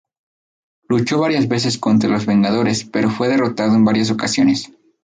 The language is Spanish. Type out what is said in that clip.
Luchó varias veces contra los Vengadores, pero fue derrotado en varias ocasiones.